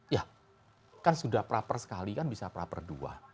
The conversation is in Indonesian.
ya kan sudah pra per sekali kan bisa pra per dua